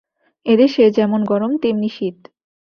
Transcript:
এদেশে যেমন গরম তেমনি শীত।